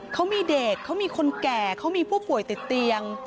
เขามีเด็กเขามีคนแก่เขามีผู้ป่วยติดเตียง